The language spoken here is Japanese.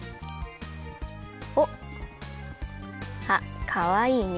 おっ！あっかわいいね。